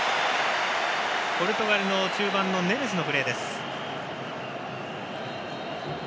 ポルトガルの中盤ネベスのプレー。